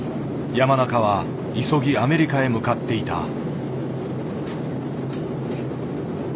山中は急ぎアメリカへ向かっていた。